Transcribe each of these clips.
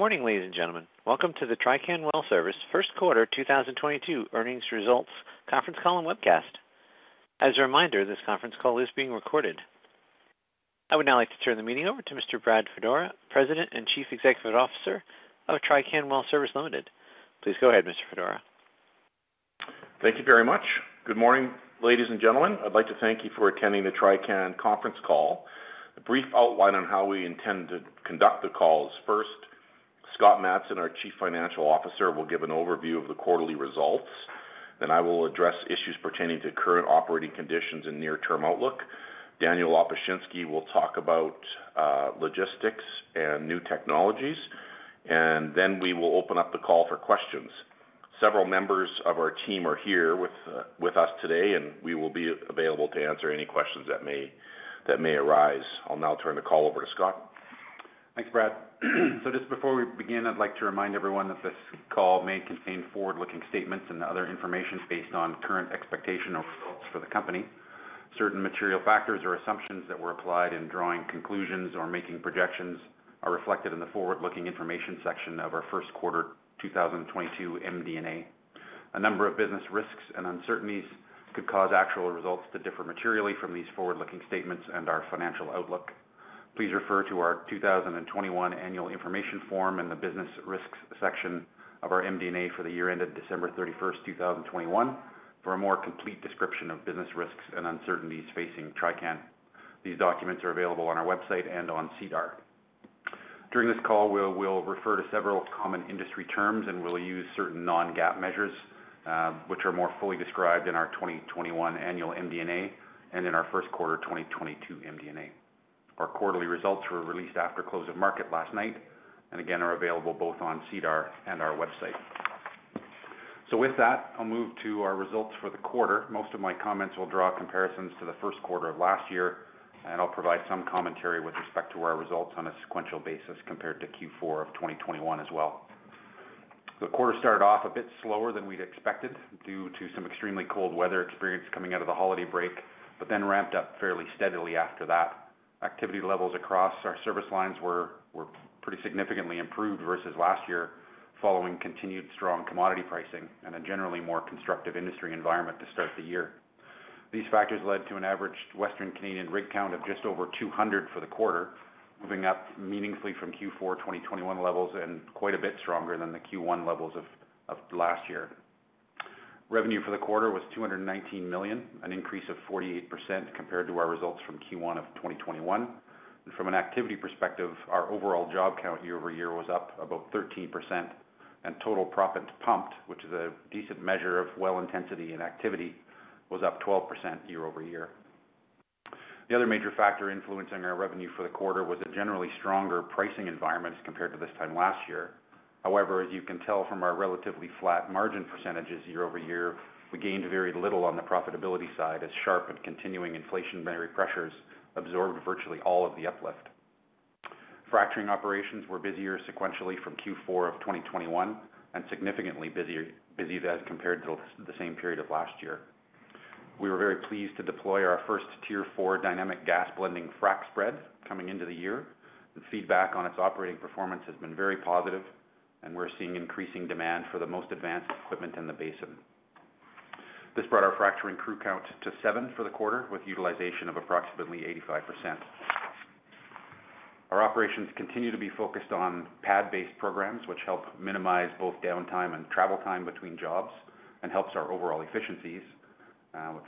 Good morning, ladies and gentlemen. Welcome to the Trican Well Service first quarter 2022 earnings results conference call and webcast. As a reminder, this conference call is being recorded. I would now like to turn the meeting over to Mr. Brad Fedora, President and Chief Executive Officer of Trican Well Service Ltd. Please go ahead, Mr. Fedora. Thank you very much. Good morning, ladies and gentlemen. I'd like to thank you for attending the Trican conference call. A brief outline on how we intend to conduct the call is, first, Scott Matson, our Chief Financial Officer, will give an overview of the quarterly results. Then I will address issues pertaining to current operating conditions and near-term outlook. Daniel Lopushinsky will talk about logistics and new technologies, and then we will open up the call for questions. Several members of our team are here with us today, and we will be available to answer any questions that may arise. I'll now turn the call over to Scott. Thanks, Brad. Just before we begin, I'd like to remind everyone that this call may contain forward-looking statements and other information based on current expectations or results for the company. Certain material factors or assumptions that were applied in drawing conclusions or making projections are reflected in the forward-looking information section of our first quarter 2022 MD&A. A number of business risks and uncertainties could cause actual results to differ materially from these forward-looking statements and our financial outlook. Please refer to our 2021 annual information form and the business risks section of our MD&A for the year ended December 31, 2021 for a more complete description of business risks and uncertainties facing Trican. These documents are available on our website and on SEDAR. During this call, we'll refer to several common industry terms, and we'll use certain non-GAAP measures, which are more fully described in our 2021 annual MD&A and in our first quarter 2022 MD&A. Our quarterly results were released after close of market last night and again are available both on SEDAR and our website. With that, I'll move to our results for the quarter. Most of my comments will draw comparisons to the first quarter of last year, and I'll provide some commentary with respect to our results on a sequential basis compared to Q4 of 2021 as well. The quarter started off a bit slower than we'd expected due to some extremely cold weather experienced coming out of the holiday break, but then ramped up fairly steadily after that. Activity levels across our service lines were pretty significantly improved versus last year, following continued strong commodity pricing and a generally more constructive industry environment to start the year. These factors led to an average Western Canadian rig count of just over 200 for the quarter, moving up meaningfully from Q4 2021 levels and quite a bit stronger than the Q1 levels of last year. Revenue for the quarter was 219 million, an increase of 48% compared to our results from Q1 of 2021. From an activity perspective, our overall job count year-over-year was up about 13%, and total proppant pumped, which is a decent measure of well intensity and activity, was up 12% year-over-year. The other major factor influencing our revenue for the quarter was a generally stronger pricing environment as compared to this time last year. However, as you can tell from our relatively flat margin percentages year-over-year, we gained very little on the profitability side as sharp and continuing inflationary pressures absorbed virtually all of the uplift. Fracturing operations were busier sequentially from Q4 of 2021 and significantly busier as compared to the same period of last year. We were very pleased to deploy our first Tier Four Dynamic Gas Blending frac spread coming into the year. The feedback on its operating performance has been very positive, and we're seeing increasing demand for the most advanced equipment in the basin. This brought our fracturing crew count to seven for the quarter, with utilization of approximately 85%. Our operations continue to be focused on pad-based programs, which help minimize both downtime and travel time between jobs and helps our overall efficiencies.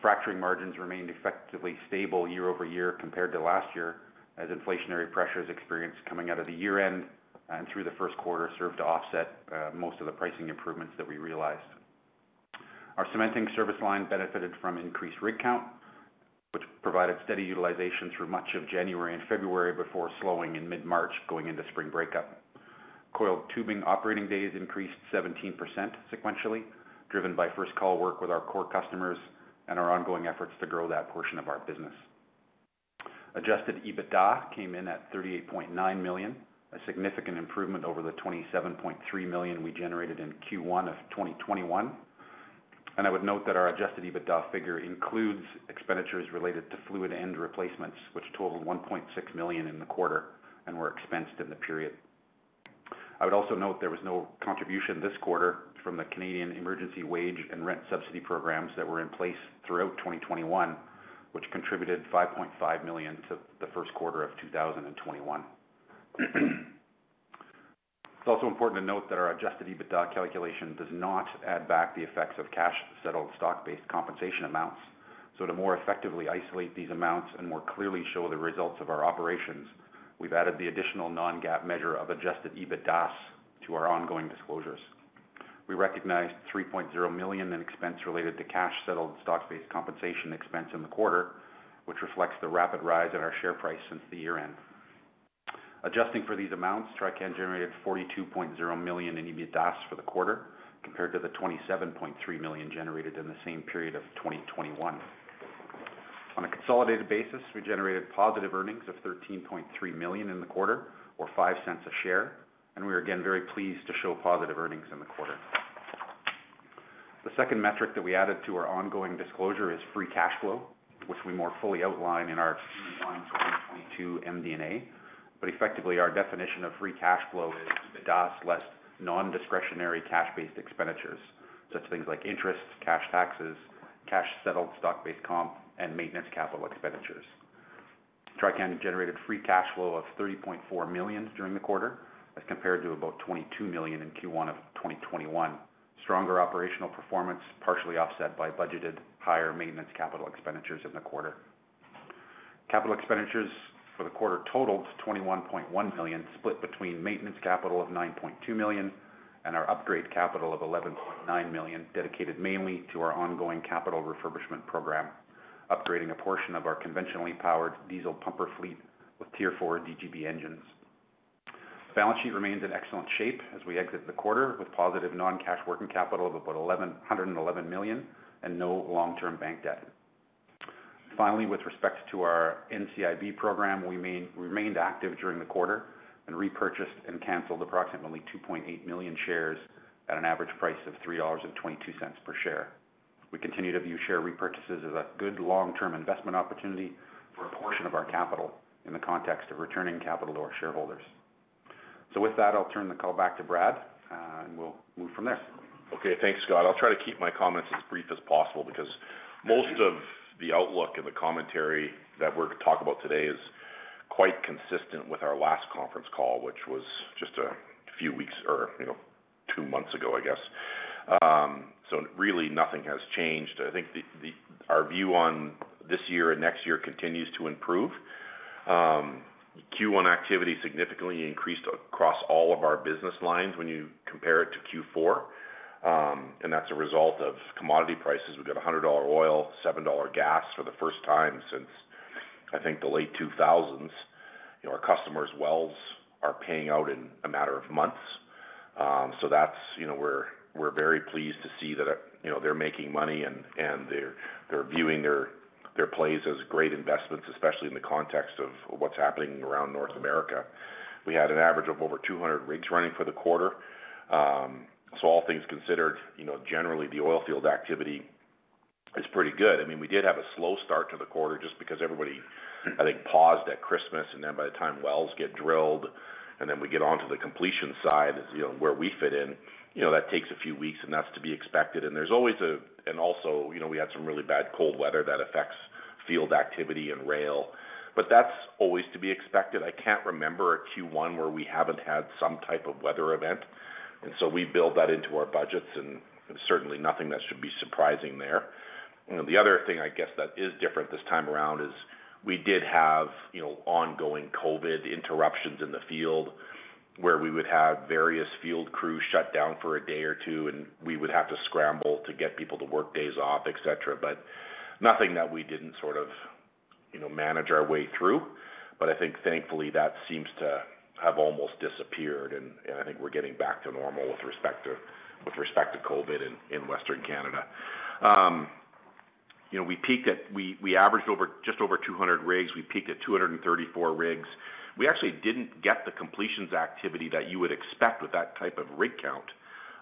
Fracturing margins remained effectively stable year-over-year compared to last year, as inflationary pressures experienced coming out of the year-end and through the first quarter served to offset most of the pricing improvements that we realized. Our cementing service line benefited from increased rig count, which provided steady utilization through much of January and February before slowing in mid-March going into spring breakup. Coiled tubing operating days increased 17% sequentially, driven by first call work with our core customers and our ongoing efforts to grow that portion of our business. Adjusted EBITDA came in at 38.9 million, a significant improvement over the 27.3 million we generated in Q1 of 2021. I would note that our adjusted EBITDA figure includes expenditures related to fluid end replacements, which totaled 1.6 million in the quarter and were expensed in the period. I would also note there was no contribution this quarter from the Canada Emergency Wage Subsidy and Canada Emergency Rent Subsidy programs that were in place throughout 2021, which contributed 5.5 million to the first quarter of 2021. It's also important to note that our adjusted EBITDA calculation does not add back the effects of cash-settled stock-based compensation amounts. To more effectively isolate these amounts and more clearly show the results of our operations, we've added the additional non-GAAP measure of adjusted EBITDAS to our ongoing disclosures. We recognized 3.0 million in expense related to cash-settled stock-based compensation expense in the quarter, which reflects the rapid rise in our share price since the year-end. Adjusting for these amounts, Trican generated 42.0 million in EBITDAS for the quarter, compared to the 27.3 million generated in the same period of 2021. On a consolidated basis, we generated positive earnings of 13.3 million in the quarter or 0.05 a share, and we are again very pleased to show positive earnings in the quarter. The second metric that we added to our ongoing disclosure is free cash flow, which we more fully outline in our Q1 2022 MD&A. Effectively, our definition of free cash flow is the DAS less non-discretionary cash-based expenditures, such things like interest, cash taxes, cash-settled stock-based comp, and maintenance capital expenditures. Trican generated free cash flow of 30.4 million during the quarter, as compared to about 22 million in Q1 of 2021. Stronger operational performance partially offset by budgeted higher maintenance capital expenditures in the quarter. Capital expenditures for the quarter totaled 21.1 million, split between maintenance capital of 9.2 million and our upgrade capital of 11.9 million, dedicated mainly to our ongoing capital refurbishment program, upgrading a portion of our conventionally powered diesel pumper fleet with Tier Four DGB engines. Balance sheet remains in excellent shape as we exit the quarter, with positive non-cash working capital of about 111 million and no long-term bank debt. Finally, with respect to our NCIB program, we maintained active during the quarter and repurchased and canceled approximately 2.8 million shares at an average price of 3.22 dollars per share. We continue to view share repurchases as a good long-term investment opportunity for a portion of our capital in the context of returning capital to our shareholders. With that, I'll turn the call back to Brad, and we'll move from there. Okay. Thanks, Scott. I'll try to keep my comments as brief as possible because most of the outlook and the commentary that we're gonna talk about today is quite consistent with our last conference call, which was just a few weeks or, you know, two months ago, I guess. Really nothing has changed. I think our view on this year and next year continues to improve. Q1 activity significantly increased across all of our business lines when you compare it to Q4, and that's a result of commodity prices. We've got $100 oil, $7 gas for the first time since, I think, the late 2000s. You know, our customers' wells are paying out in a matter of months. That's, you know, we're very pleased to see that, you know, they're making money and they're viewing their plays as great investments, especially in the context of what's happening around North America. We had an average of over 200 rigs running for the quarter. All things considered, you know, generally the oilfield activity is pretty good. I mean, we did have a slow start to the quarter just because everybody, I think, paused at Christmas, and then by the time wells get drilled, and then we get onto the completion side, you know, where we fit in, you know, that takes a few weeks, and that's to be expected. There's always. Also, you know, we had some really bad cold weather that affects field activity and rail, but that's always to be expected. I can't remember a Q1 where we haven't had some type of weather event, and so we build that into our budgets, and certainly nothing that should be surprising there. You know, the other thing I guess that is different this time around is we did have, you know, ongoing COVID interruptions in the field where we would have various field crews shut down for a day or two, and we would have to scramble to get people to work days off, et cetera, but nothing that we didn't sort of, you know, manage our way through. I think thankfully, that seems to have almost disappeared, and I think we're getting back to normal with respect to COVID in Western Canada. You know, we averaged just over 200 rigs. We peaked at 234 rigs. We actually didn't get the completions activity that you would expect with that type of rig count,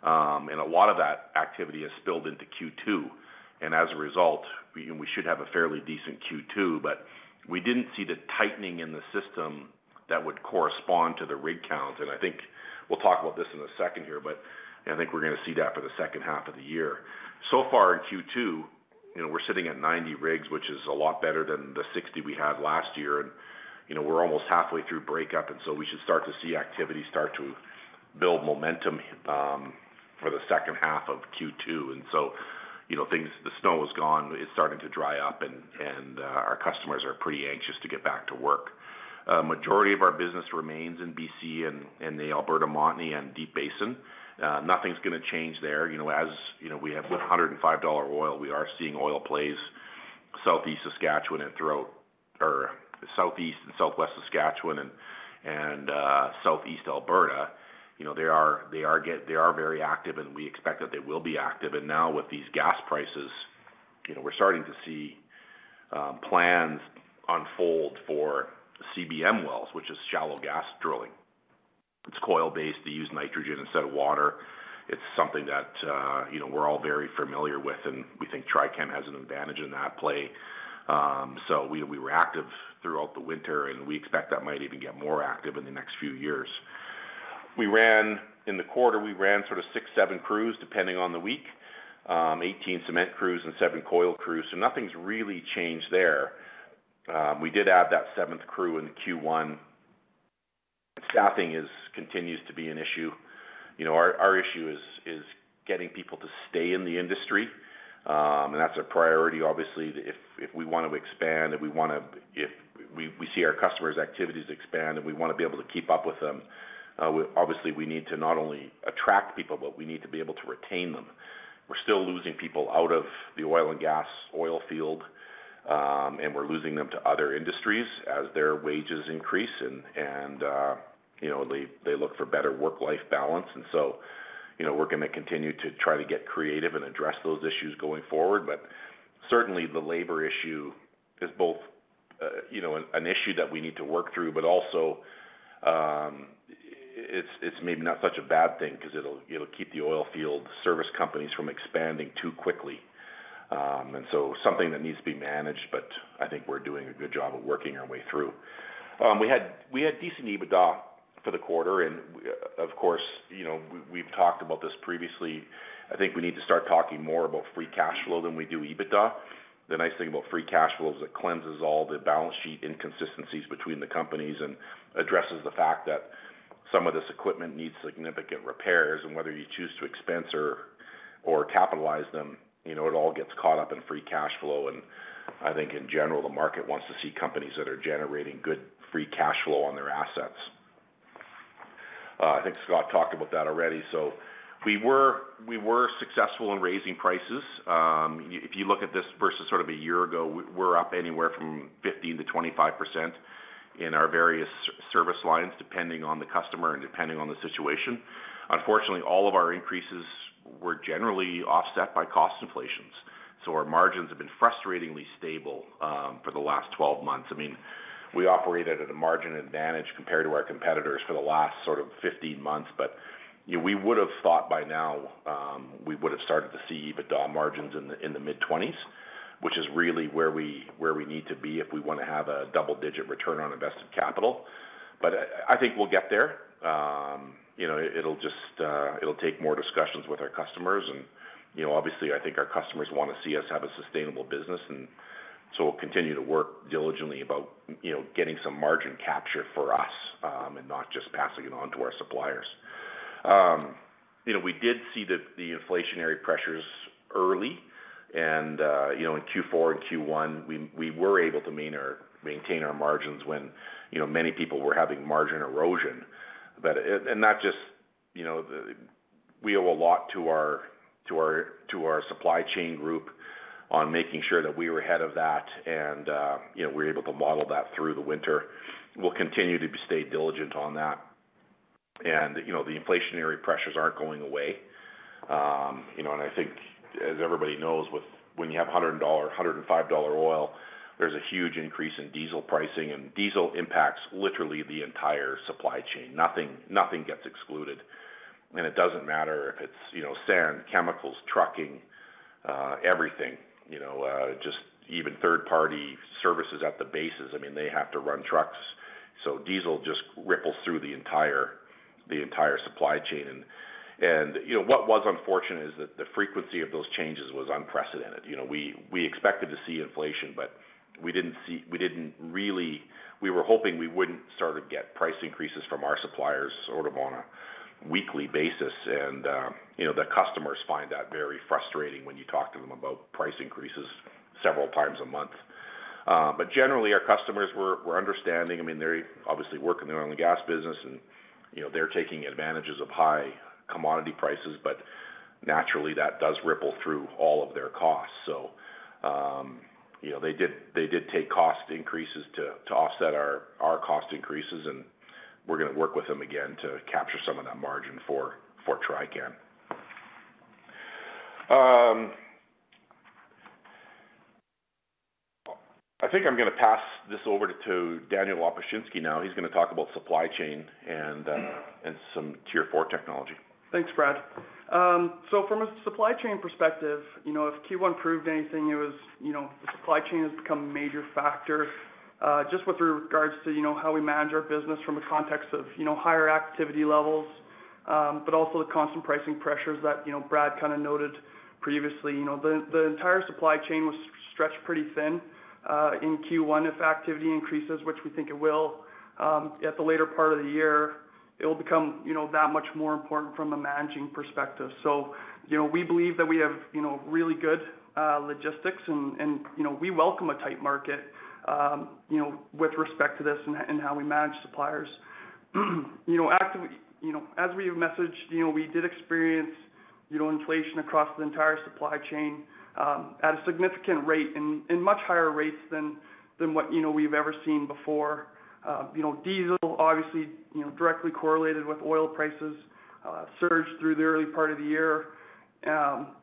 and a lot of that activity has spilled into Q2. As a result, you know, we should have a fairly decent Q2, but we didn't see the tightening in the system that would correspond to the rig count. I think we'll talk about this in a second here, but I think we're gonna see that for the second half of the year. So far in Q2, you know, we're sitting at 90 rigs, which is a lot better than the 60 we had last year. You know, we're almost halfway through breakup, and so we should start to see activity start to build momentum for the second half of Q2. You know, things, the snow is gone. It's starting to dry up, our customers are pretty anxious to get back to work. A majority of our business remains in BC and the Alberta Montney and Deep Basin. Nothing's gonna change there. You know, as you know, we have $105 oil, we are seeing oil plays, southeast Saskatchewan and southeast and southwest Saskatchewan and southeast Alberta. You know, they are very active, and we expect that they will be active. Now with these gas prices, you know, we're starting to see plans unfold for CBM wells, which is shallow gas drilling. It's coil-based. They use nitrogen instead of water. It's something that, you know, we're all very familiar with, and we think Trican has an advantage in that play. We were active throughout the winter, and we expect that might even get more active in the next few years. In the quarter, we ran sort of 6, 7 crews, depending on the week. Eighteen cement crews and 7 coil crews, nothing's really changed there. We did add that seventh crew in Q1. Staffing continues to be an issue. You know, our issue is getting people to stay in the industry, and that's a priority. Obviously, if we want to expand, if we see our customers' activities expand, and we wanna be able to keep up with them, obviously, we need to not only attract people, but we need to be able to retain them. We're still losing people out of the oil and gas, oil field, and we're losing them to other industries as their wages increase and, you know, they look for better work-life balance. You know, we're gonna continue to try to get creative and address those issues going forward. Certainly, the labor issue is both, you know, an issue that we need to work through, but also, you know, it's maybe not such a bad thing 'cause it'll keep the oil field service companies from expanding too quickly. Something that needs to be managed, but I think we're doing a good job of working our way through. We had decent EBITDA for the quarter and of course, you know, we've talked about this previously. I think we need to start talking more about free cash flow than we do EBITDA. The nice thing about free cash flow is it cleanses all the balance sheet inconsistencies between the companies, and addresses the fact that some of this equipment needs significant repairs, and whether you choose to expense or capitalize them, you know, it all gets caught up in free cash flow. I think in general, the market wants to see companies that are generating good free cash flow on their assets. I think Scott talked about that already. We were successful in raising prices. If you look at this versus sort of a year ago, we're up anywhere from 15%-25% in our various service lines, depending on the customer and depending on the situation. Unfortunately, all of our increases were generally offset by cost inflations. Our margins have been frustratingly stable for the last 12 months. I mean, we operated at a margin advantage compared to our competitors for the last sort of 15 months, but we would've thought by now, we would've started to see EBITDA margins in the mid-20s, which is really where we need to be if we wanna have a double-digit return on invested capital. I think we'll get there. You know, it'll just, it'll take more discussions with our customers and, you know, obviously, I think our customers wanna see us have a sustainable business, and so we'll continue to work diligently about, you know, getting some margin capture for us, and not just passing it on to our suppliers. You know, we did see the inflationary pressures early and, you know, in Q4 and Q1, we were able to maintain our margins when, you know, many people were having margin erosion. Not just, you know, the. We owe a lot to our supply chain group on making sure that we were ahead of that and, you know, we're able to model that through the winter. We'll continue to stay diligent on that. You know, the inflationary pressures aren't going away. You know, and I think as everybody knows, when you have $100-$105 oil, there's a huge increase in diesel pricing, and diesel impacts literally the entire supply chain. Nothing gets excluded. It doesn't matter if it's, you know, sand, chemicals, trucking, everything, you know, just even third party services at the bases. I mean, they have to run trucks, so diesel just ripples through the entire supply chain. You know, what was unfortunate is that the frequency of those changes was unprecedented. You know, we expected to see inflation, but we didn't really. We were hoping we wouldn't sort of get price increases from our suppliers sort of on a weekly basis and, you know, the customers find that very frustrating when you talk to them about price increases several times a month. But generally, our customers were understanding. I mean, they're obviously working their own gas business and, you know, they're taking advantages of high commodity prices, but naturally, that does ripple through all of their costs. They did take cost increases to offset our cost increases, and we're gonna work with them again to capture some of that margin for Trican. I think I'm gonna pass this over to Daniel Lopushinsky now. He's gonna talk about supply chain and some Tier Four technology. Thanks, Brad. So from a supply chain perspective, you know, if Q1 proved anything, it was, you know, the supply chain has become a major factor, just with regards to, you know, how we manage our business from a context of, you know, higher activity levels, but also the constant pricing pressures that, you know, Brad kinda noted previously. You know, the entire supply chain was stretched pretty thin, in Q1. If activity increases, which we think it will, at the later part of the year, it will become, you know, that much more important from a managing perspective. You know, we believe that we have, you know, really good logistics and, you know, we welcome a tight market, you know, with respect to this and how we manage suppliers. You know, as we've messaged, you know, we did experience, you know, inflation across the entire supply chain at a significant rate and much higher rates than what, you know, we've ever seen before. You know, diesel obviously, you know, directly correlated with oil prices surged through the early part of the year, you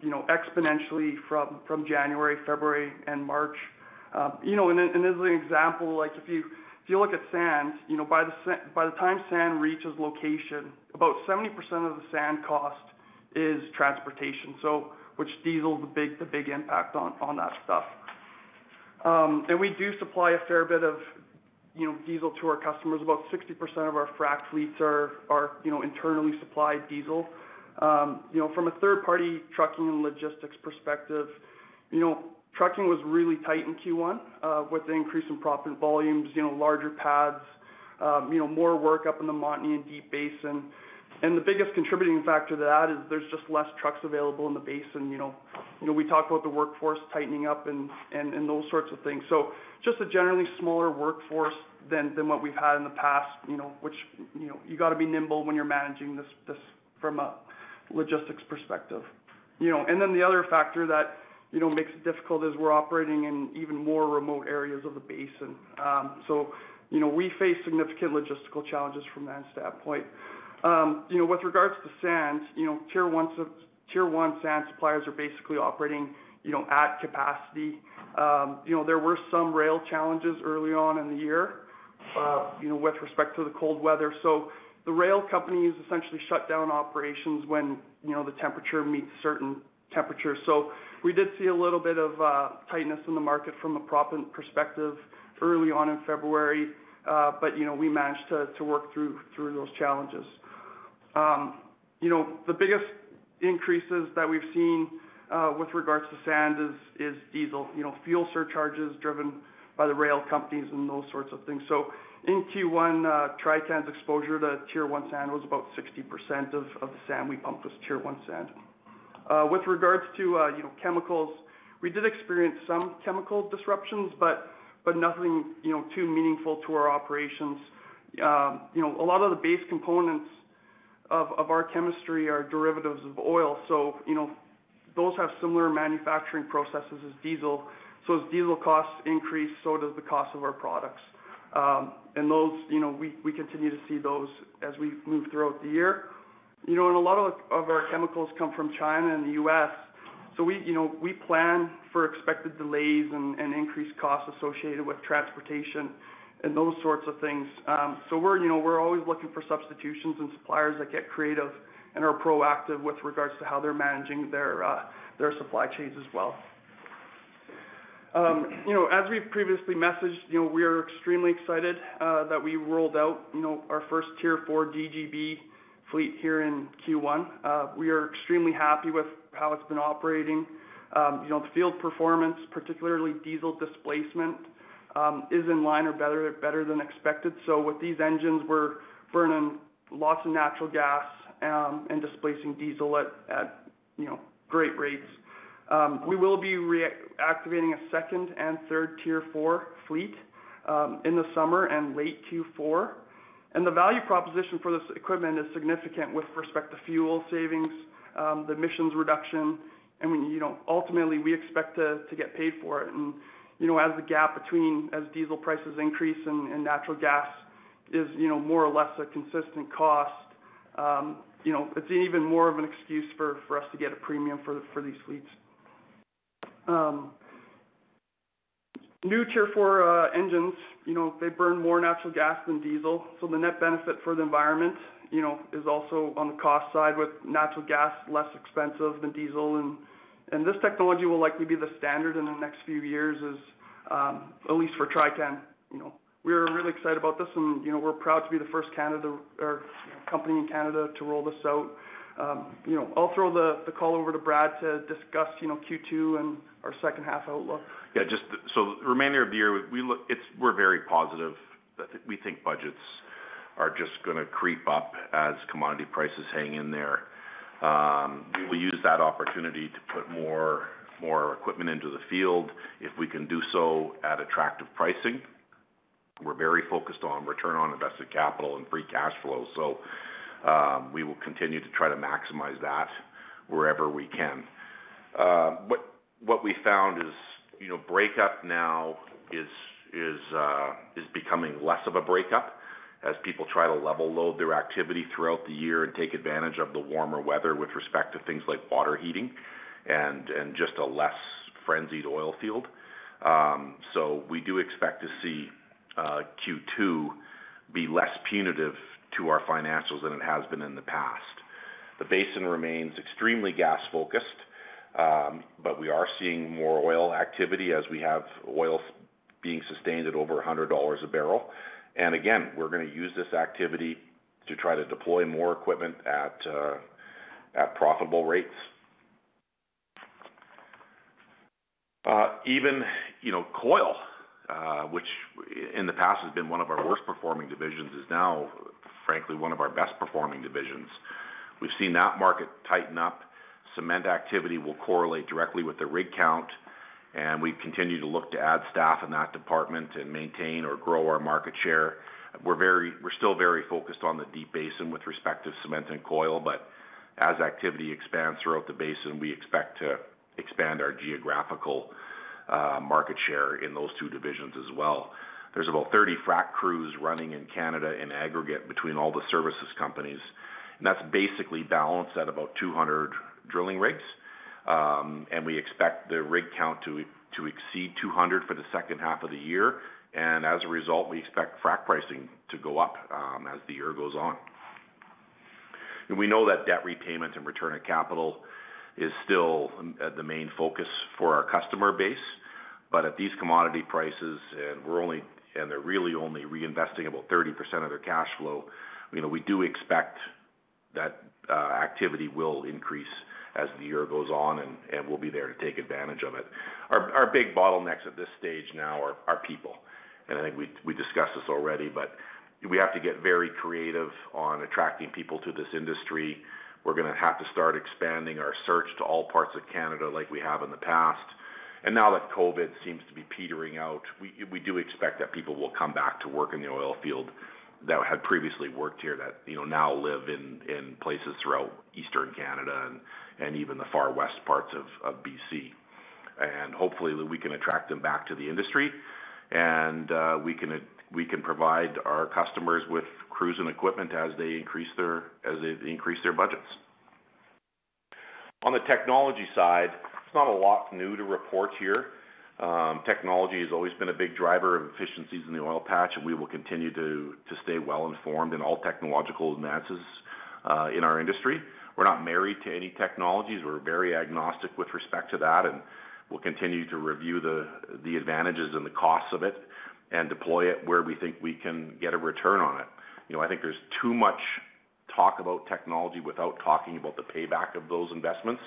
know, exponentially from January, February and March. You know, and as an example, like if you look at sand, you know, by the time sand reaches location, about 70% of the sand cost is transportation, so which diesel is the big impact on that stuff. And we do supply a fair bit of, you know, diesel to our customers. About 60% of our frack fleets are, you know, internally supplied diesel. You know, from a third-party trucking and logistics perspective, you know, trucking was really tight in Q1, with the increase in proppant volumes, you know, larger pads, more work up in the Montney and Deep Basin. The biggest contributing factor to that is there's just less trucks available in the basin, you know. You know, we talked about the workforce tightening up and those sorts of things. Just a generally smaller workforce than what we've had in the past, you know, which, you know, you gotta be nimble when you're managing this from a logistics perspective, you know. The other factor that makes it difficult is we're operating in even more remote areas of the basin. You know, we face significant logistical challenges from that standpoint. You know, with regards to sand, you know, Tier One sand suppliers are basically operating, you know, at capacity. You know, there were some rail challenges early on in the year with respect to the cold weather. The rail companies essentially shut down operations when, you know, the temperature meets certain temperatures. We did see a little bit of tightness in the market from a proppant perspective early on in February, but, you know, we managed to work through those challenges. You know, the biggest increases that we've seen with regards to sand is diesel. You know, fuel surcharges driven by the rail companies and those sorts of things. In Q1, Trican's exposure to Tier One sand was about 60% of the sand we pump was Tier One sand. With regards to, you know, chemicals, we did experience some chemical disruptions, but nothing, you know, too meaningful to our operations. You know, a lot of the base components of our chemistry are derivatives of oil, so, you know, those have similar manufacturing processes as diesel. As diesel costs increase, so does the cost of our products. Those, you know, we continue to see those as we move throughout the year. You know, and a lot of our chemicals come from China and the U.S., so we, you know, we plan for expected delays and increased costs associated with transportation and those sorts of things. We're, you know, we're always looking for substitutions and suppliers that get creative and are proactive with regards to how they're managing their supply chains as well. You know, as we've previously messaged, you know, we are extremely excited that we rolled out you know, our first Tier Four DGB fleet here in Q1. We are extremely happy with how it's been operating. You know, the field performance, particularly diesel displacement, is in line or better than expected. With these engines, we're burning lots of natural gas and displacing diesel at you know, great rates. We will be re-activating a second and third Tier Four fleet in the summer and late Q4. The value proposition for this equipment is significant with respect to fuel savings, the emissions reduction, and when you know, ultimately, we expect to get paid for it. You know, as the gap between diesel prices increase and natural gas is, you know, more or less a consistent cost, you know, it's even more of an excuse for us to get a premium for these fleets. New Tier Four engines, you know, they burn more natural gas than diesel, so the net benefit for the environment, you know, is also on the cost side with natural gas less expensive than diesel. This technology will likely be the standard in the next few years as at least for Trican, you know. We're really excited about this and, you know, we're proud to be the first company in Canada to roll this out. You know, I'll throw the call over to Brad to discuss, you know, Q2 and our second half outlook. Yeah, just so the remainder of the year, we're very positive that we think budgets are just gonna creep up as commodity prices hang in there. We will use that opportunity to put more equipment into the field if we can do so at attractive pricing. We're very focused on return on invested capital and free cash flow, so we will continue to try to maximize that wherever we can. What we found is, you know, breakup now is becoming less of a breakup as people try to level load their activity throughout the year and take advantage of the warmer weather with respect to things like water heating and just a less frenzied oil field. So we do expect to see Q2 be less punitive to our financials than it has been in the past. The basin remains extremely gas-focused, but we are seeing more oil activity as we have oil being sustained at over $100 a barrel. Again, we're gonna use this activity to try to deploy more equipment at profitable rates. Even, you know, coil, which in the past has been one of our worst-performing divisions, is now frankly, one of our best-performing divisions. We've seen that market tighten up. Cement activity will correlate directly with the rig count, and we continue to look to add staff in that department and maintain or grow our market share. We're still very focused on the deep basin with respect to cement and coil, but as activity expands throughout the basin, we expect to expand our geographical market share in those two divisions as well. There's about 30 frac crews running in Canada in aggregate between all the service companies, and that's basically balanced at about 200 drilling rigs. We expect the rig count to exceed 200 for the second half of the year, and as a result, we expect frac pricing to go up as the year goes on. We know that debt repayment and return on capital is still the main focus for our customer base, but at these commodity prices, and they're really only reinvesting about 30% of their cash flow, you know, we do expect that activity will increase as the year goes on, and we'll be there to take advantage of it. Our big bottlenecks at this stage now are our people, and I think we discussed this already, but we have to get very creative on attracting people to this industry. We're gonna have to start expanding our search to all parts of Canada like we have in the past. Now that COVID seems to be petering out, we do expect that people will come back to work in the oil field that had previously worked here that, you know, now live in places throughout eastern Canada and even the far west parts of BC. Hopefully, we can attract them back to the industry, and we can provide our customers with crews and equipment as they increase their budgets. On the technology side, it's not a lot new to report here. Technology has always been a big driver of efficiencies in the oil patch, and we will continue to stay well informed in all technological advances in our industry. We're not married to any technologies. We're very agnostic with respect to that, and we'll continue to review the advantages and the costs of it and deploy it where we think we can get a return on it. You know, I think there's too much talk about technology without talking about the payback of those investments.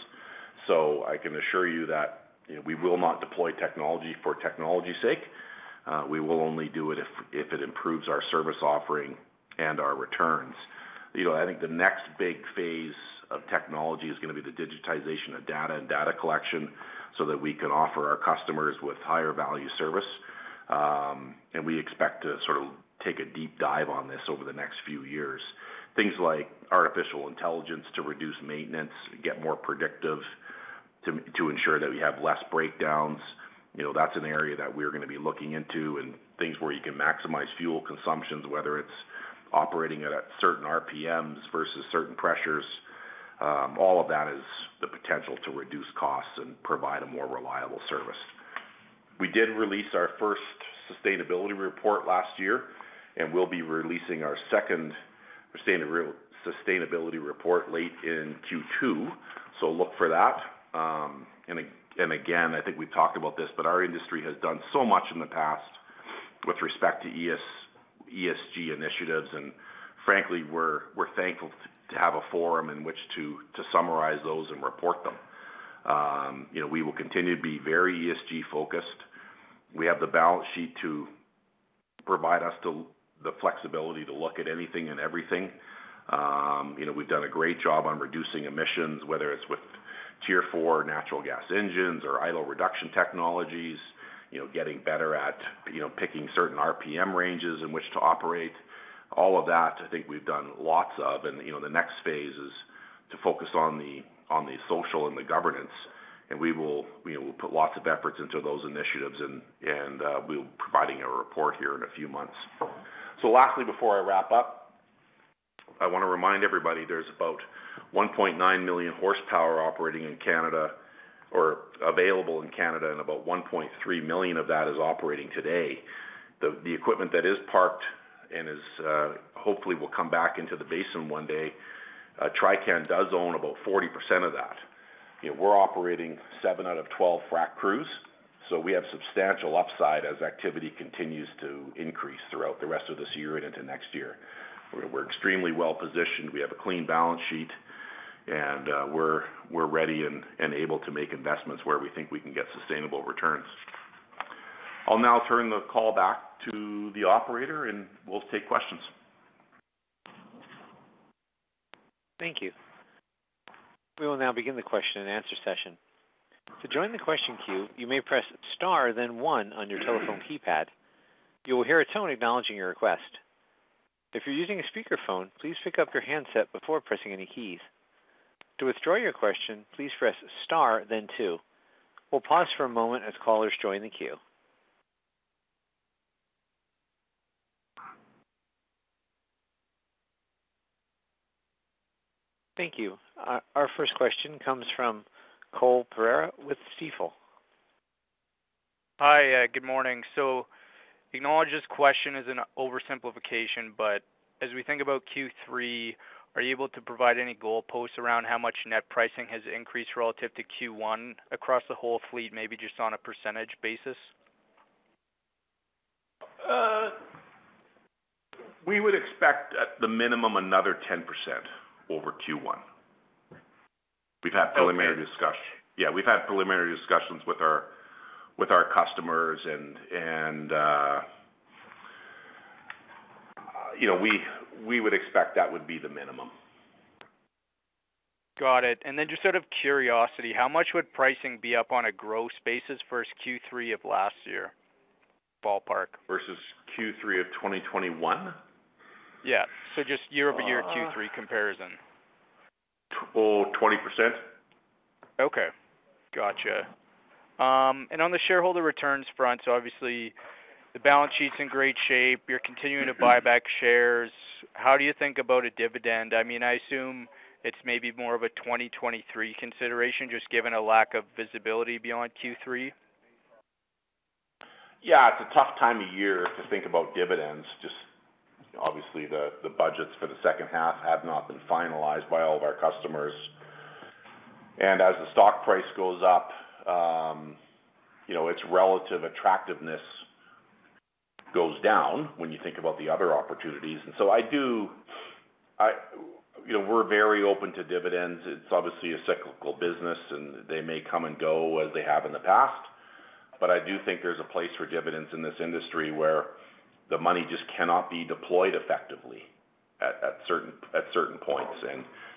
I can assure you that, you know, we will not deploy technology for technology's sake. We will only do it if it improves our service offering and our returns. You know, I think the next big phase of technology is gonna be the digitization of data and data collection so that we can offer our customers with higher value service. We expect to sort of take a deep dive on this over the next few years. Things like artificial intelligence to reduce maintenance, get more predictive to ensure that we have less breakdowns. You know, that's an area that we're gonna be looking into and things where you can maximize fuel consumptions, whether it's operating it at certain RPMs versus certain pressures. All of that is the potential to reduce costs and provide a more reliable service. We did release our first sustainability report last year, and we'll be releasing our second sustainability report late in Q2, so look for that. Again, I think we've talked about this, but our industry has done so much in the past with respect to ESG initiatives. Frankly, we're thankful to have a forum in which to summarize those and report them. You know, we will continue to be very ESG-focused. We have the balance sheet to provide us the flexibility to look at anything and everything. You know, we've done a great job on reducing emissions, whether it's with Tier Four natural gas engines or idle reduction technologies. You know, getting better at picking certain RPM ranges in which to operate. All of that, I think we've done lots of, and you know, the next phase is to focus on the social and the governance. We will put lots of efforts into those initiatives and we're providing a report here in a few months. Lastly before I wrap up, I wanna remind everybody there's about 1.9 million horsepower operating in Canada or available in Canada, and about 1.3 million of that is operating today. The equipment that is parked and is hopefully will come back into the basin one day, Trican does own about 40% of that. You know, we're operating 7 out of 12 frack crews, so we have substantial upside as activity continues to increase throughout the rest of this year and into next year. We're extremely well-positioned. We have a clean balance sheet, and we're ready and able to make investments where we think we can get sustainable returns. I'll now turn the call back to the operator, and we'll take questions. Thank you. We will now begin the question and answer session. To join the question queue, you may press star then one on your telephone keypad. You will hear a tone acknowledging your request. If you're using a speakerphone, please pick up your handset before pressing any keys. To withdraw your question, please press star then two. We'll pause for a moment as callers join the queue. Thank you. Our first question comes from Cole Pereira with Stifel. Hi. Good morning. I acknowledge this question is an oversimplification, but as we think about Q3, are you able to provide any goalposts around how much net pricing has increased relative to Q1 across the whole fleet, maybe just on a percentage basis? We would expect at the minimum another 10% over Q1. We've had preliminary discussions with our customers. We would expect that would be the minimum. Got it. Just out of curiosity, how much would pricing be up on a gross basis versus Q3 of last year? Ballpark. Versus Q3 of 2021? Yeah. Just year-over-year Q3 comparison. Oh, 20%. Okay. Gotcha. On the shareholder returns front, so obviously the balance sheet's in great shape. You're continuing to buy back shares. How do you think about a dividend? I mean, I assume it's maybe more of a 2023 consideration, just given a lack of visibility beyond Q3. Yeah, it's a tough time of year to think about dividends. Just obviously the budgets for the second half have not been finalized by all of our customers. As the stock price goes up, you know, its relative attractiveness goes down when you think about the other opportunities. I do. You know, we're very open to dividends. It's obviously a cyclical business, and they may come and go as they have in the past. I do think there's a place for dividends in this industry where the money just cannot be deployed effectively at certain points.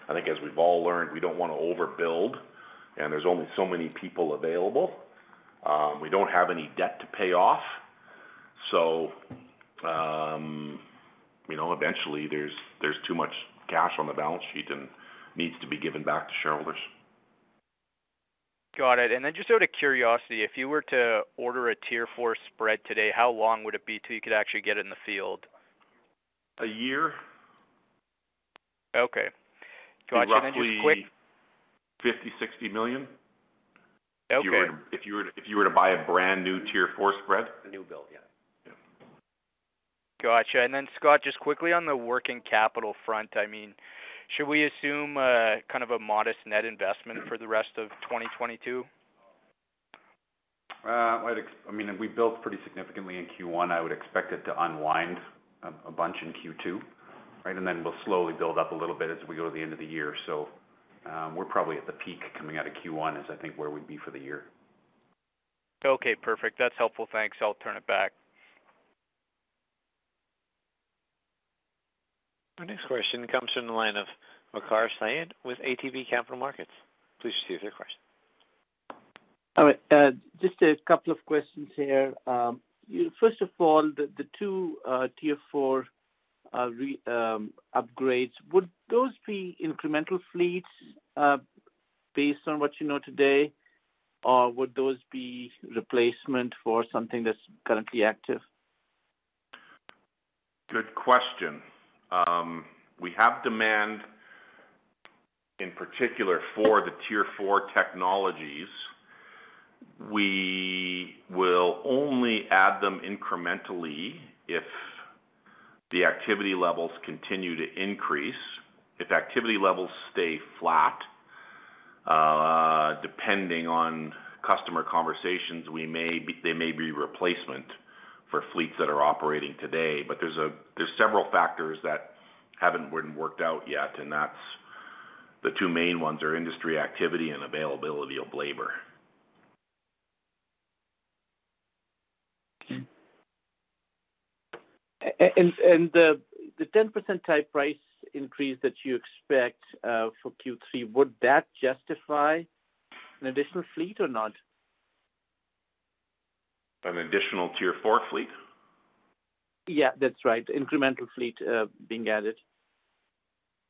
I think as we've all learned, we don't wanna overbuild, and there's only so many people available. We don't have any debt to pay off. You know, eventually there's too much cash on the balance sheet and needs to be given back to shareholders. Got it. Just out of curiosity, if you were to order a Tier Four spread today, how long would it be till you could actually get it in the field? A year. Okay. Gotcha. Just quick- Roughly 50 million-60 million. Okay. If you were to but a brand new Tier Four spread. New build, yeah. Yeah. Got you. Then Scott, just quickly on the working capital front. I mean, should we assume, kind of a modest net investment for the rest of 2022? I mean, we built pretty significantly in Q1. I would expect it to unwind a bunch in Q2, right? We'll slowly build up a little bit as we go to the end of the year. We're probably at the peak coming out of Q1 is I think where we'd be for the year. Okay, perfect. That's helpful. Thanks. I'll turn it back. Our next question comes from the line of Waqar Syed with ATB Capital Markets. Please proceed with your question. All right. Just a couple of questions here. First of all, the two Tier Four upgrades, would those be incremental fleets, based on what you know today? Or would those be replacement for something that's currently active? Good question. We have demand in particular for the Tier Four technologies. We will only add them incrementally if the activity levels continue to increase. If activity levels stay flat, depending on customer conversations, they may be replacement for fleets that are operating today. There's several factors that haven't been worked out yet, and that's the two main ones are industry activity and availability of labor. 10% type price increase that you expect for Q3, would that justify an additional fleet or not? An additional Tier Four fleet? Yeah, that's right. Incremental fleet being added.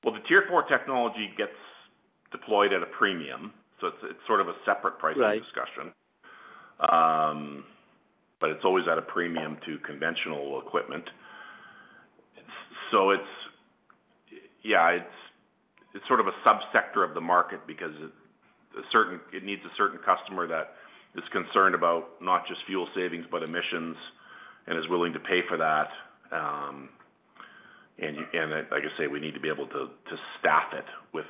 Well, the Tier Four technology gets deployed at a premium, so it's sort of a separate pricing. Right ...discussion. It's always at a premium to conventional equipment. It's sort of a subsector of the market because it needs a certain customer that is concerned about not just fuel savings, but emissions and is willing to pay for that. Like I say, we need to be able to staff it with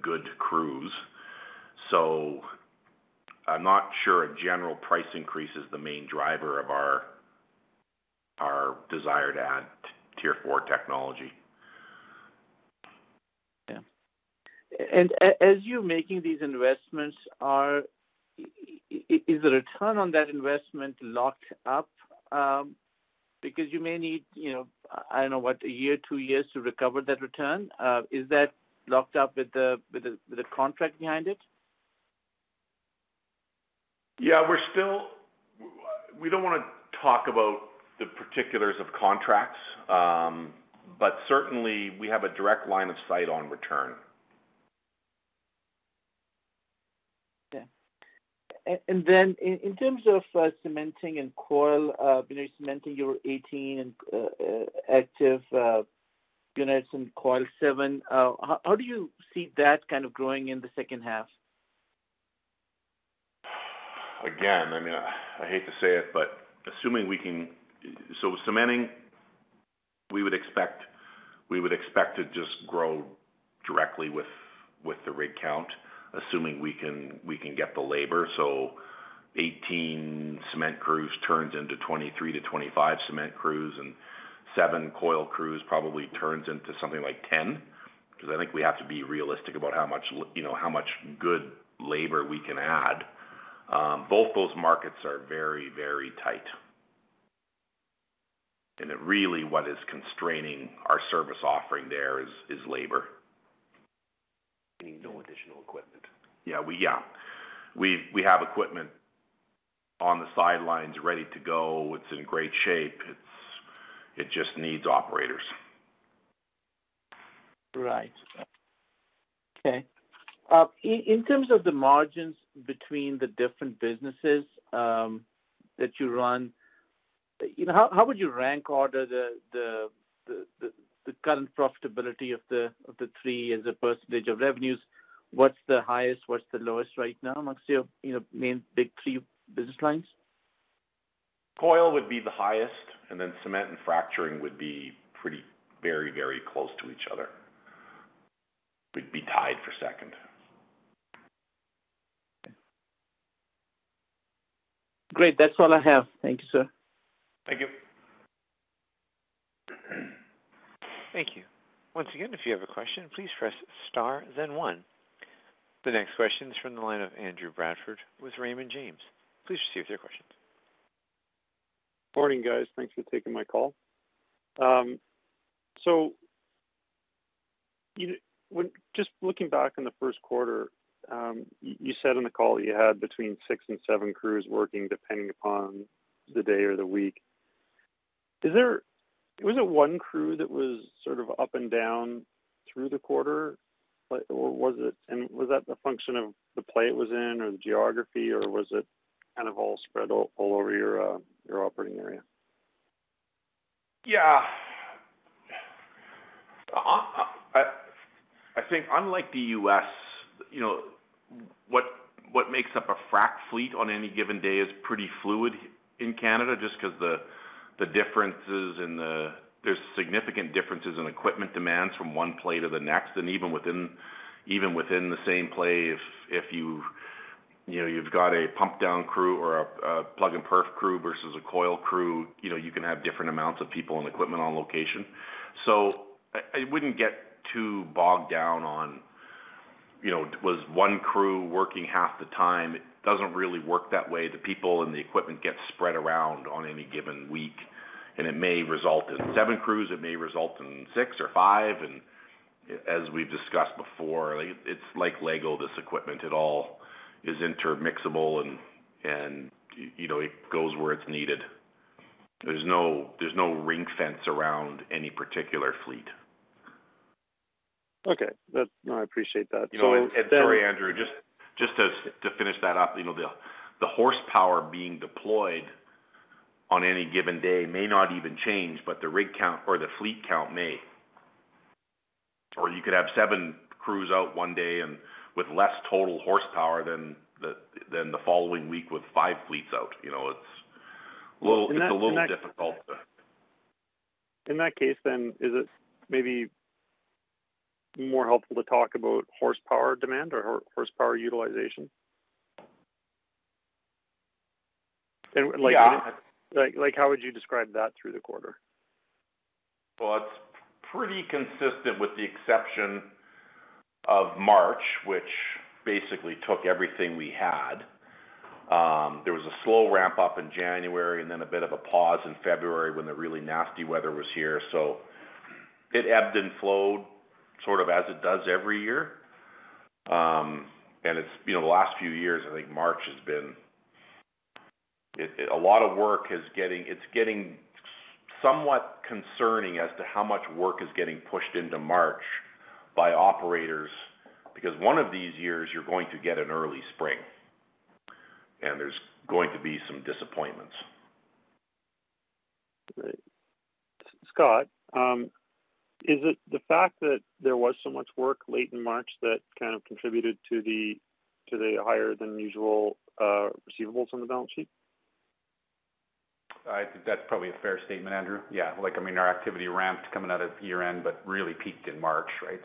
good crews. I'm not sure a general price increase is the main driver of our desire to add Tier Four technology. Yeah. As you're making these investments, is the return on that investment locked up? Because you may need, you know, I don't know what, a year, two years to recover that return. Is that locked up with the contract behind it? We don't wanna talk about the particulars of contracts, but certainly we have a direct line of sight on return. In terms of cementing and coil, you know, cementing your 18 active units and coil 7, how do you see that kind of growing in the second half? Again, I mean, I hate to say it, but assuming we can. Cementing, we would expect to just grow directly with the rig count, assuming we can get the labor. 18 cement crews turns into 23-25 cement crews, and 7 coil crews probably turns into something like 10, because I think we have to be realistic about how much you know, how much good labor we can add. Both those markets are very, very tight. Really what is constraining our service offering there is labor. Meaning no additional equipment. We have equipment on the sidelines ready to go. It's in great shape. It just needs operators. Right. Okay. In terms of the margins between the different businesses that you run, you know, how would you rank order the current profitability of the three as a percentage of revenues? What's the highest, what's the lowest right now amongst your, you know, main big three business lines? Coil would be the highest, and then cement and fracturing would be pretty, very, very close to each other. Would be tied for second. Great. That's all I have. Thank you, sir. Thank you. Thank you. Once again, if you have a question, please press star then one. The next question is from the line of Andrew Bradford with Raymond James. Please proceed with your questions. Morning, guys. Thanks for taking my call. Just looking back on the first quarter, you said on the call that you had between 6 and 7 crews working depending upon the day or the week. Was it one crew that was sort of up and down through the quarter? Like, or was it the function of the play it was in or the geography, or was it kind of all spread all over your operating area? Yeah. I think unlike the US, you know, what makes up a frac fleet on any given day is pretty fluid in Canada just 'cause the differences and there's significant differences in equipment demands from one play to the next. Even within the same play, if you know, you've got a pump down crew or a plug and perf crew versus a coil crew, you know, you can have different amounts of people and equipment on location. So I wouldn't get too bogged down on, you know, was one crew working half the time? It doesn't really work that way. The people and the equipment get spread around on any given week, and it may result in seven crews, it may result in six or five. As we've discussed before, it's like Lego, this equipment. It all is intermixable and, you know, it goes where it's needed. There's no ring fence around any particular fleet. Okay. No, I appreciate that. You know, sorry, Andrew. Just to finish that up, you know, the horsepower being deployed on any given day may not even change, but the rig count or the fleet count may. You could have 7 crews out one day and with less total horsepower than the following week with 5 fleets out. You know, it's Well, in that. It's a little difficult. In that case, is it maybe more helpful to talk about horsepower demand or horsepower utilization? Yeah. Like, how would you describe that through the quarter? Well, it's pretty consistent with the exception of March, which basically took everything we had. There was a slow ramp-up in January and then a bit of a pause in February when the really nasty weather was here. It ebbed and flowed sort of as it does every year. You know, the last few years, I think it's getting somewhat concerning as to how much work is getting pushed into March by operators, because one of these years you're going to get an early spring, and there's going to be some disappointments. Great. Scott, is it the fact that there was so much work late in March that kind of contributed to the higher than usual receivables on the balance sheet? I think that's probably a fair statement, Andrew. Yeah. Like, I mean, our activity ramped coming out of year-end, but really peaked in March, right?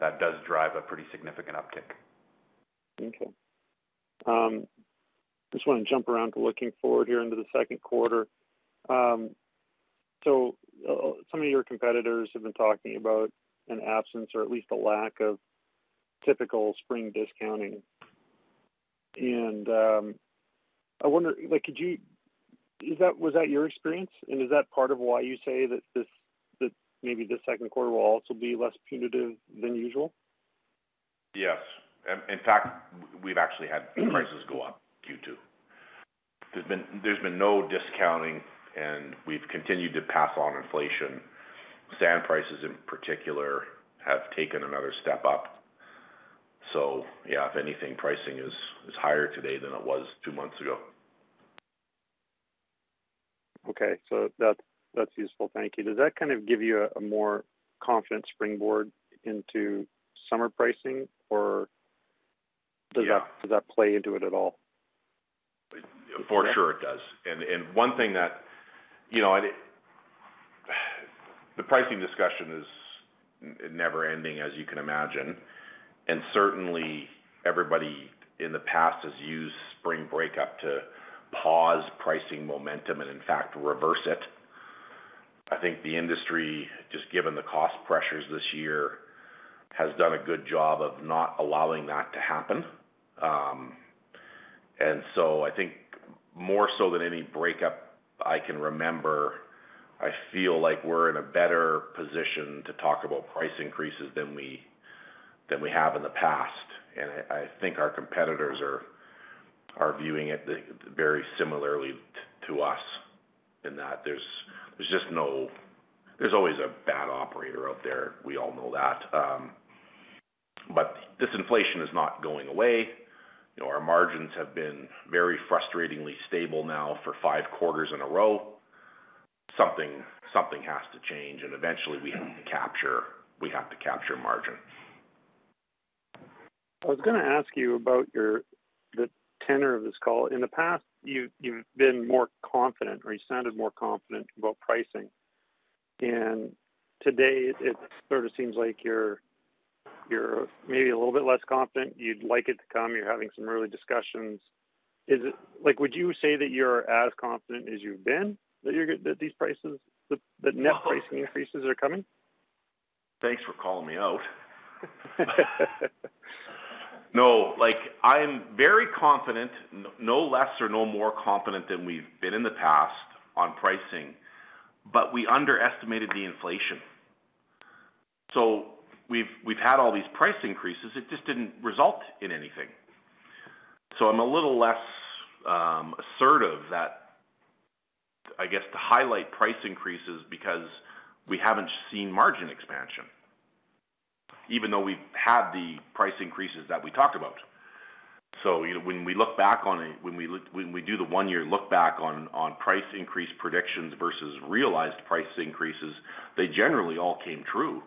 That does drive a pretty significant uptick. Okay. Just wanna jump around to looking forward here into the second quarter. Some of your competitors have been talking about an absence or at least a lack of typical spring discounting. I wonder, like, was that your experience? Is that part of why you say that this maybe this second quarter will also be less punitive than usual? Yes. In fact, we've actually had prices go up Q2. There's been no discounting, and we've continued to pass on inflation. Sand prices, in particular, have taken another step up. Yeah, if anything, pricing is higher today than it was two months ago. Okay. That, that's useful. Thank you. Does that kind of give you a more confident springboard into summer pricing? Yeah Does that play into it at all? For sure it does. One thing that you know, the pricing discussion is never ending, as you can imagine. Certainly everybody in the past has used spring breakup to pause pricing momentum and in fact reverse it. I think the industry, just given the cost pressures this year, has done a good job of not allowing that to happen. I think more so than any breakup I can remember, I feel like we're in a better position to talk about price increases than we have in the past. I think our competitors are viewing it very similarly to us in that there's just no. There's always a bad operator out there, we all know that. This inflation is not going away. You know, our margins have been very frustratingly stable now for 5 quarters in a row. Something has to change, and eventually we have to capture margins. I was gonna ask you about the tenor of this call. In the past, you've been more confident or you sounded more confident about pricing. Today it sort of seems like you're maybe a little bit less confident. You'd like it to come, you're having some early discussions. Like, would you say that you're as confident as you've been that these prices, the net pricing increases are coming? Thanks for calling me out. No. Like, I'm very confident, no less or no more confident than we've been in the past on pricing, but we underestimated the inflation. We've had all these price increases, it just didn't result in anything. I'm a little less assertive that, I guess, to highlight price increases because we haven't seen margin expansion, even though we've had the price increases that we talked about. You know, when we do the one-year look back on price increase predictions versus realized price increases, they generally all came true.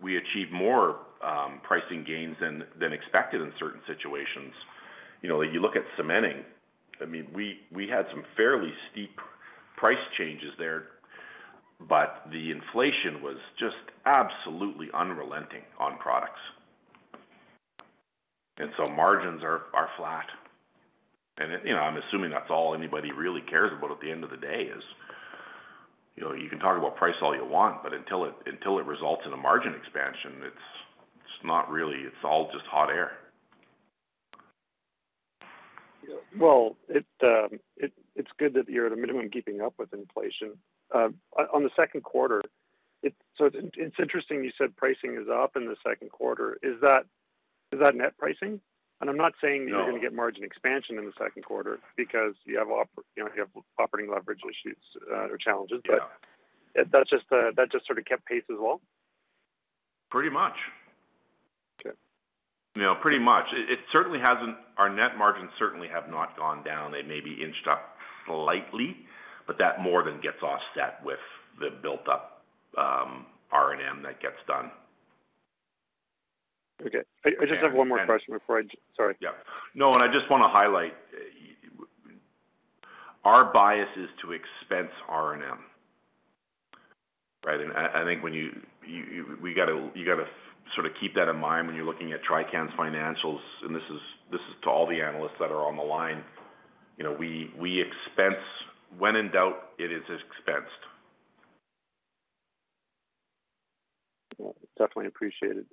We achieve more pricing gains than expected in certain situations. You know, you look at cementing, I mean, we had some fairly steep price changes there, but the inflation was just absolutely unrelenting on products. Margins are flat. You know, I'm assuming that's all anybody really cares about at the end of the day is, you know, you can talk about price all you want, but until it results in a margin expansion, it's not really. It's all just hot air. Well, it's good that you're at a minimum keeping up with inflation. On the second quarter, so it's interesting you said pricing is up in the second quarter. Is that net pricing? I'm not saying- No. You're gonna get margin expansion in the second quarter because you know, you have operating leverage issues or challenges. Yeah. That's just sort of kept pace as well? Pretty much. Okay. You know, pretty much. It certainly hasn't. Our net margins certainly have not gone down. They may have inched up slightly, but that more than gets offset with the built up RNM that gets done. Okay. And, and- I just have one more question. Sorry. Yeah. No, I just wanna highlight our bias is to expense RNM, right? I think when you gotta sort of keep that in mind when you're looking at Trican's financials, and this is to all the analysts that are on the line. You know, we expense. When in doubt, it is expensed. Well, definitely appreciated.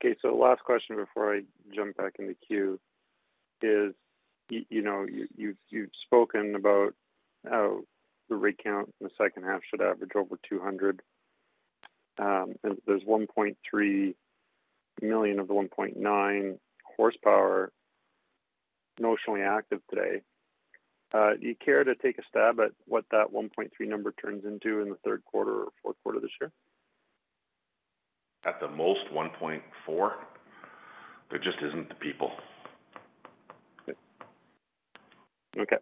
Okay, last question before I jump back in the queue is you know, you've spoken about how the rig count in the second half should average over 200, and there's 1.3 million of the 1.9 horsepower notionally active today. Do you care to take a stab at what that 1.3 number turns into in the third quarter or fourth quarter this year? At the most, 1.4. There just isn't the people. Okay.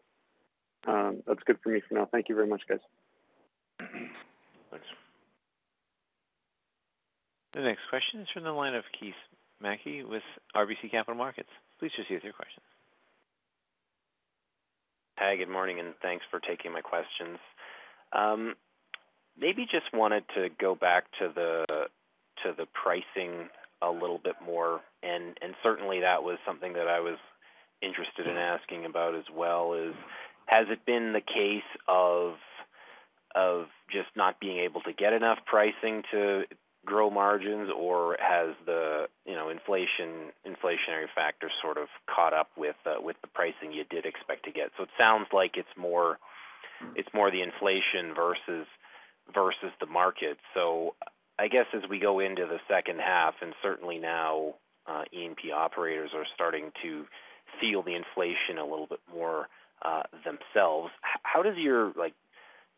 That's good for me for now. Thank you very much, guys. Thanks. The next question is from the line of Keith Mackey with RBC Capital Markets. Please just use your question. Hi, good morning, and thanks for taking my questions. Maybe just wanted to go back to the pricing a little bit more, and certainly that was something that I was interested in asking about as well. Has it been the case of just not being able to get enough pricing to grow margins, or has the, you know, inflationary factor sort of caught up with the pricing you did expect to get? It sounds like it's more the inflation versus the market. I guess as we go into the second half, and certainly now, E&P operators are starting to feel the inflation a little bit more themselves. How does your like...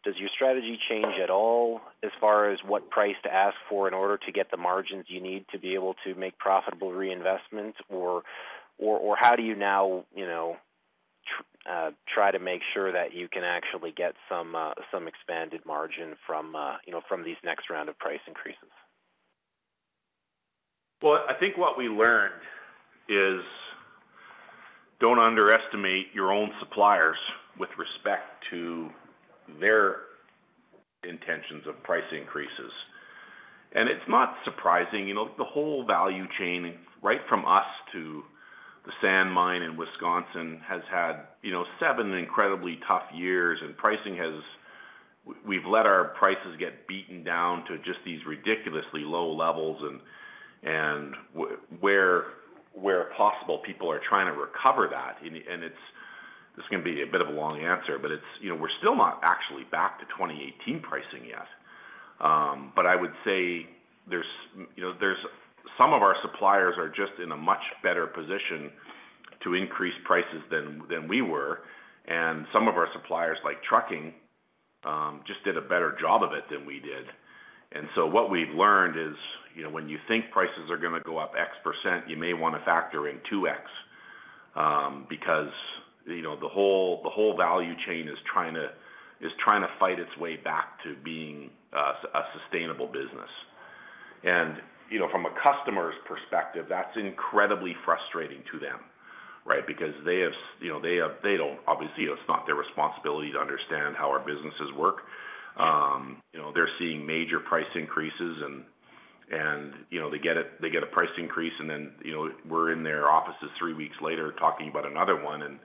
Does your strategy change at all as far as what price to ask for in order to get the margins you need to be able to make profitable reinvestments, or how do you now, you know, try to make sure that you can actually get some expanded margin from, you know, from these next round of price increases? Well, I think what we learned is don't underestimate your own suppliers with respect to their intentions of price increases. It's not surprising. You know, the whole value chain, right from us to the sand mine in Wisconsin, has had, you know, 7 incredibly tough years and pricing has. We've let our prices get beaten down to just these ridiculously low levels and where possible, people are trying to recover that. This is gonna be a bit of a long answer, but it's, you know, we're still not actually back to 2018 pricing yet. I would say there's, you know, there's. Some of our suppliers are just in a much better position to increase prices than we were. Some of our suppliers, like trucking, just did a better job of it than we did. What we've learned is, you know, when you think prices are gonna go up X percent, you may wanna factor in two X, because, you know, the whole value chain is trying to fight its way back to being a sustainable business. You know, from a customer's perspective, that's incredibly frustrating to them, right? Because they don't. Obviously, it's not their responsibility to understand how our businesses work. You know, they're seeing major price increases and, you know, they get a price increase, and then, you know, we're in their offices three weeks later talking about another one and,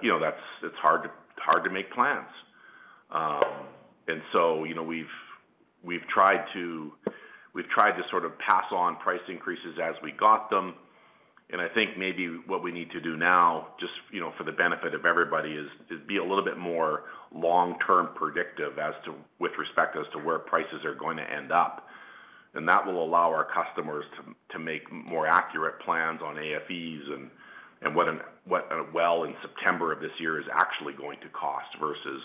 you know, it's hard to make plans. You know, we've tried to sort of pass on price increases as we got them. I think maybe what we need to do now, just, you know, for the benefit of everybody is be a little bit more long-term predictive as to with respect to where prices are going to end up. That will allow our customers to make more accurate plans on AFEs and what a well in September of this year is actually going to cost versus,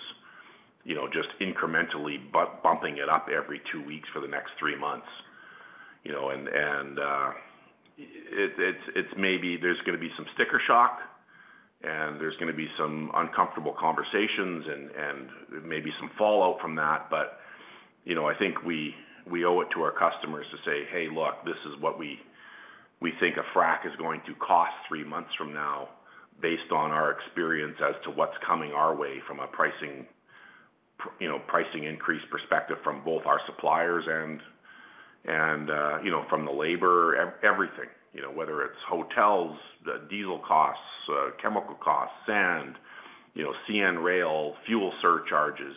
you know, just incrementally bumping it up every two weeks for the next three months, you know. It's maybe there's gonna be some sticker shock, and there's gonna be some uncomfortable conversations and maybe some fallout from that. I think we owe it to our customers to say, "Hey, look, this is what we think a frack is going to cost three months from now based on our experience as to what's coming our way from a pricing increase perspective from both our suppliers and you know, from the labor, everything." You know, whether it's hotels, the diesel costs, chemical costs, sand, you know, CN Rail, fuel surcharges,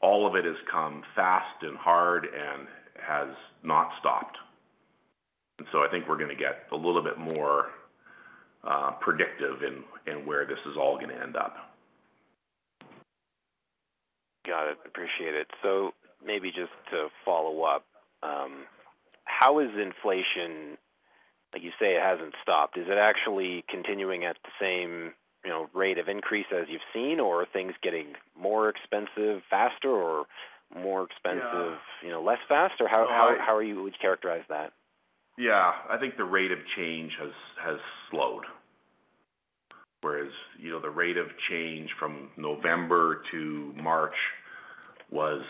all of it has come fast and hard and has not stopped. I think we're gonna get a little bit more predictive in where this is all gonna end up. Got it. Appreciate it. Maybe just to follow up, how is inflation, like you say, it hasn't stopped. Is it actually continuing at the same, you know, rate of increase as you've seen, or are things getting more expensive faster or more expensive? Yeah. you know, less fast? Or how would you characterize that? Yeah. I think the rate of change has slowed. Whereas, you know, the rate of change from November to March was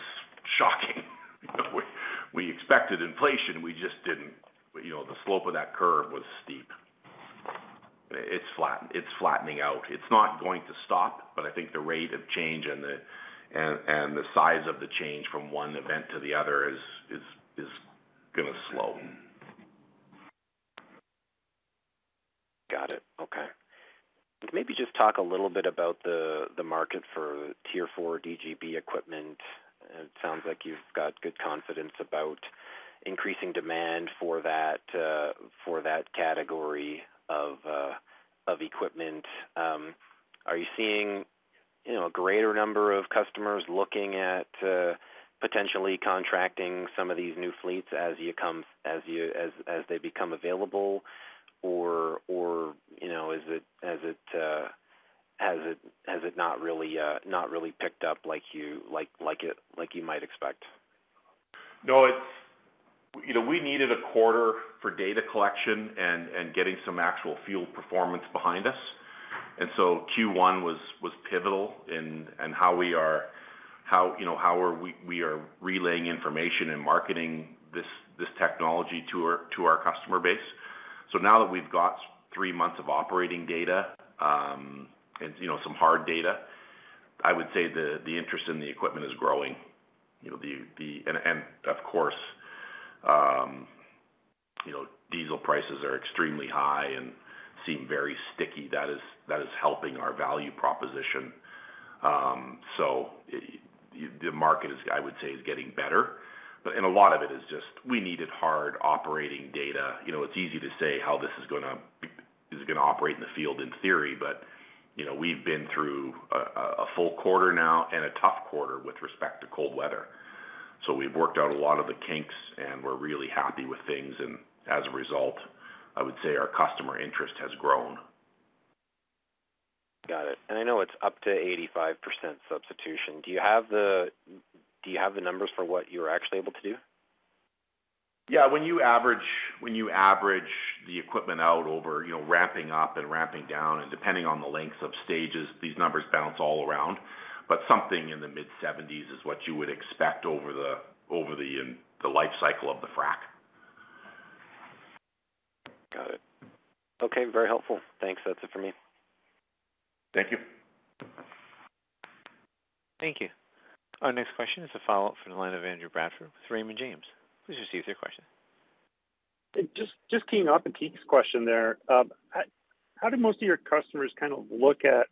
shocking. We expected inflation, we just didn't. You know, the slope of that curve was steep. It's flattening out. It's not going to stop, but I think the rate of change and the size of the change from one event to the other is gonna slow. Got it. Okay. Maybe just talk a little bit about the market for Tier Four DGB equipment. It sounds like you've got good confidence about increasing demand for that for that category of equipment. Are you seeing, you know, a greater number of customers looking at potentially contracting some of these new fleets as they become available? Or, you know, has it not really picked up like you might expect? No, it's. You know, we needed a quarter for data collection and getting some actual field performance behind us. Q1 was pivotal in how, you know, we are relaying information and marketing this technology to our customer base. Now that we've got three months of operating data and, you know, some hard data, I would say the interest in the equipment is growing. You know, of course, you know, diesel prices are extremely high and seem very sticky. That is helping our value proposition. The market is, I would say, getting better. A lot of it is just we needed hard operating data. You know, it's easy to say how this is gonna operate in the field in theory, but, you know, we've been through a full quarter now and a tough quarter with respect to cold weather. We've worked out a lot of the kinks, and we're really happy with things. As a result, I would say our customer interest has grown. Got it. I know it's up to 85% substitution. Do you have the numbers for what you're actually able to do? Yeah. When you average the equipment out over, you know, ramping up and ramping down and depending on the lengths of stages, these numbers bounce all around. Something in the mid-seventies is what you would expect over the life cycle of the frac. Got it. Okay. Very helpful. Thanks. That's it for me. Thank you. Thank you. Our next question is a follow-up from the line of Andrew Bradford with Raymond James. Please just proceed with your question. Just keying off Keith's question there. How do most of your customers kind of look at,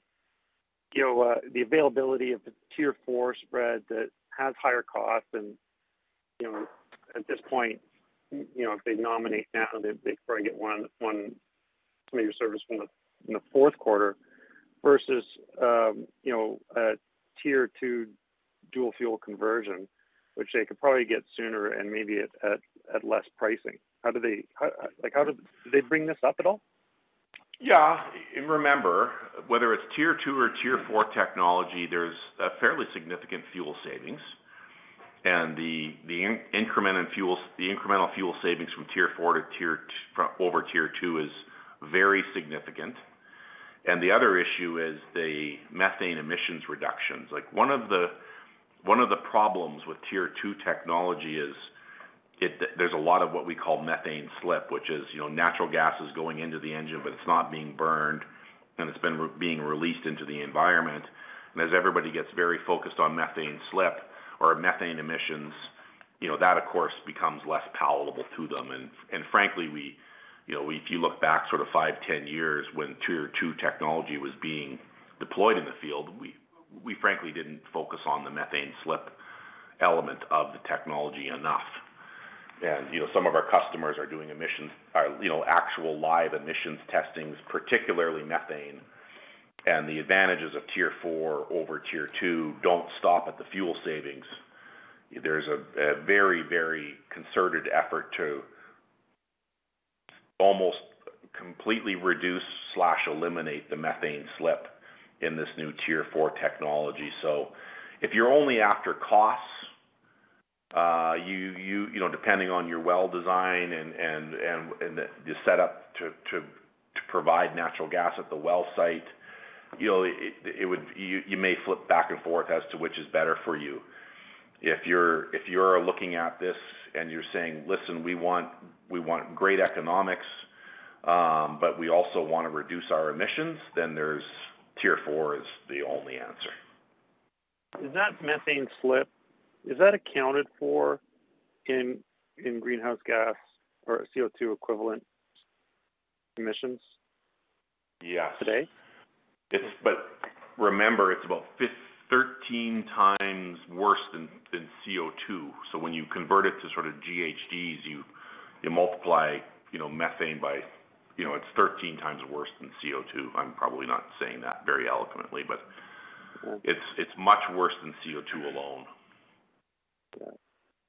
you know, the availability of the Tier Four spread that has higher costs and, you know, at this point, you know, if they nominate now, they probably get one or some of your service in the fourth quarter versus, you know, a Tier Two dual fuel conversion, which they could probably get sooner and maybe at less pricing? Do they bring this up at all? Yeah. Remember, whether it's Tier Two or Tier Four technology, there's a fairly significant fuel savings. The incremental fuel savings from Tier Four over Tier Two is very significant. The other issue is the methane emissions reductions. Like, one of the problems with Tier Two technology is there's a lot of what we call methane slip, which is, you know, natural gas is going into the engine, but it's not being burned, and it's being released into the environment. As everybody gets very focused on methane slip or methane emissions, you know, that, of course, becomes less palatable to them. Frankly, we, you know, if you look back sort of 5, 10 years when Tier Two technology was being deployed in the field, we frankly didn't focus on the methane slip element of the technology enough. You know, some of our customers are doing emissions, you know, actual live emissions testing, particularly methane. The advantages of Tier Four over Tier Two don't stop at the fuel savings. There's a very, very concerted effort to almost completely reduce or eliminate the methane slip in this new Tier Four technology. If you're only after costs, you know, depending on your well design and the setup to provide natural gas at the well site, you know, it would. You may flip back and forth as to which is better for you. If you're looking at this and you're saying, "Listen, we want great economics, but we also wanna reduce our emissions," then Tier Four is the only answer. Is that methane slip, is that accounted for in greenhouse gas or CO2 equivalent emissions? Yes today? Remember, it's about thirteen times worse than CO2. When you convert it to sort of GHGs, you multiply, you know, methane by. You know, it's thirteen times worse than CO2. I'm probably not saying that very eloquently, but. Cool It's much worse than CO2 alone. Yeah.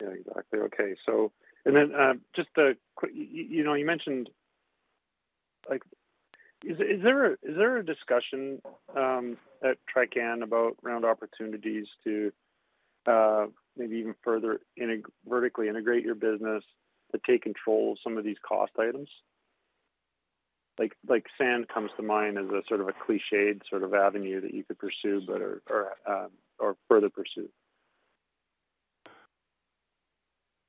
Yeah, exactly. Okay, so you know, you mentioned, like, is there a discussion at Trican about around opportunities to maybe even further vertically integrate your business to take control of some of these cost items? Like sand comes to mind as a sort of a clichéd sort of avenue that you could pursue but or further pursue.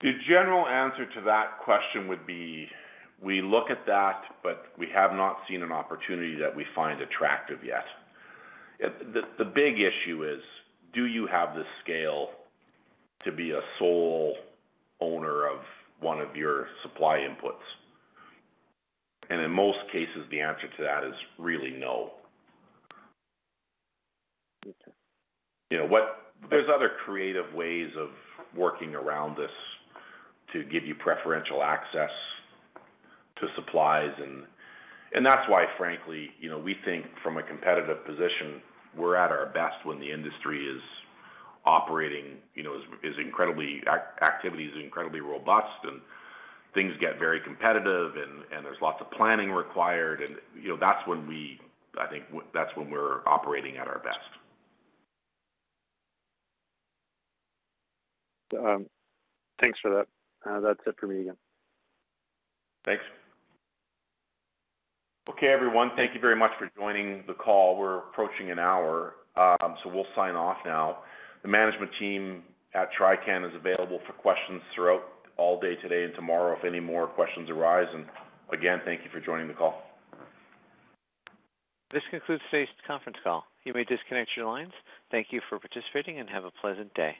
The general answer to that question would be, we look at that, but we have not seen an opportunity that we find attractive yet. The big issue is, do you have the scale to be a sole owner of one of your supply inputs? In most cases, the answer to that is really no. Okay. There's other creative ways of working around this to give you preferential access to supplies and that's why, frankly, you know, we think from a competitive position, we're at our best when the industry is operating, you know, activity is incredibly robust and things get very competitive and there's lots of planning required and, you know, that's when I think that's when we're operating at our best. Thanks for that. That's it for me again. Thanks. Okay, everyone. Thank you very much for joining the call. We're approaching an hour, so we'll sign off now. The management team at Trican is available for questions throughout all day today and tomorrow if any more questions arise. Again, thank you for joining the call. This concludes today's conference call. You may disconnect your lines. Thank you for participating, and have a pleasant day.